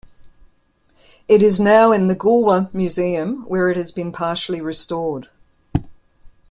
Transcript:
It is now in the Goolwa Museum, where it has been partially restored.